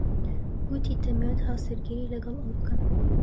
گوتی دەمەوێت هاوسەرگیری لەگەڵ ئەو بکەم.